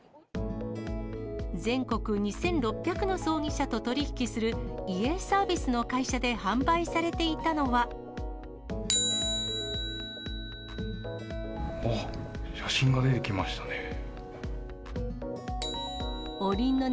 全国２６００の葬儀社と取り引きする遺影サービスの会社で販売さあっ、写真が出てきましたね。